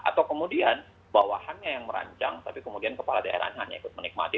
atau kemudian bawahannya yang merancang tapi kemudian kepala daerahnya hanya ikut menikmati